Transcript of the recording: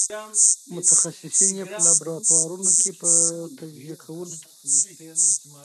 متخصصین یې په لابراتوارونو کې تجزیه کوي په پښتو ژبه.